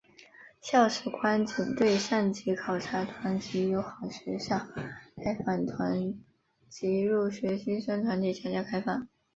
校史馆仅对上级考察团及友好学校来访团及入学新生团体参观开放。